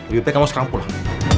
wihupi kamu sekarang pulang